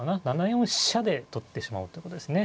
７四飛車で取ってしまおうってことですね。